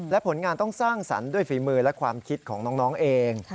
และผลงานต้องสร้างสรรค์ด้วยฝีมือและความคิดของน้องเอง